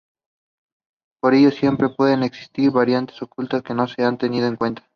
Por ello siempre pueden existir variables ocultas que no se han tenido en cuenta.